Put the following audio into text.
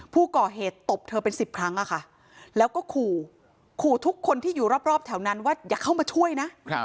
ตบเธอเป็น๑๐ครั้งแล้วก็ขู่ขู่ทุกคนที่อยู่รอบแถวนั้นว่าอย่าเข้ามาช่วยนะ